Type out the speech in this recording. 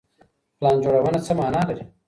پلان جوړونه څه معنا لري؟